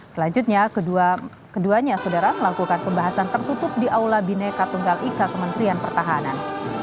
selanjutnya keduanya saudara melakukan pembahasan tertutup di aula bineka tunggal ika kementerian pertahanan